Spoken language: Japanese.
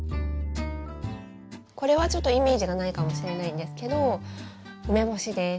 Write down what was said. これはちょっとイメージがないかもしれないんですけど梅干しです。